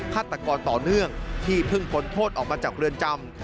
ฆาตกรต่อเนื่องที่เพิ่งพ้นโทษออกมาจากเรือนจำ